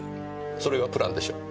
それがプランでしょう。